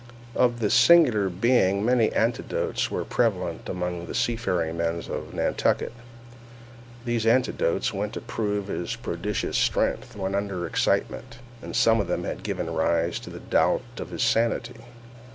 Of this singular being many anecdotes were prevalent among the seafaring men of Nantucket. These anecdotes went to prove his prodigious strength when under excitement, and some of them had given rise to a doubt of his sanity.